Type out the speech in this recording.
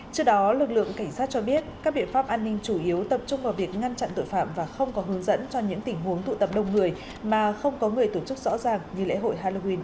trước đó lực lượng cảnh sát cho biết các biện pháp an ninh chủ yếu tập trung vào việc ngăn chặn tội phạm và không có hướng dẫn cho những tình huống tụ tập đông người mà không có người tổ chức rõ ràng như lễ hội halloween